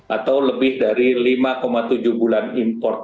atau lebih dari lima tujuh bulan import